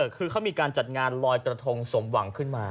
คือเขามีการจัดงานลอยกระทงสมหวังขึ้นมา